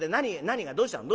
何がどうしたの？